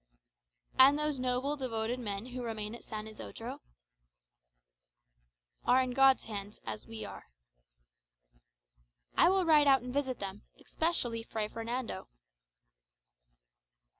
"And those noble, devoted men who remain at San Isodro?" "Are in God's hands, as we are." "I will ride out and visit them, especially Fray Fernando."